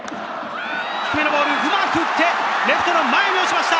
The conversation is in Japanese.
低めのボールをうまく打って、レフトの前に落ちました。